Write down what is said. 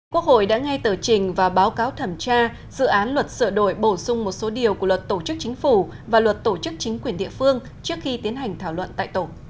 quốc hội đã ngay tờ trình và báo cáo thẩm tra dự án luật sửa đổi bổ sung một số điều của luật tổ chức chính phủ và luật tổ chức chính quyền địa phương trước khi tiến hành thảo luận tại tổ